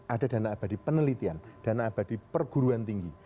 ada dana abadi penelitian dana abadi perguruan tinggi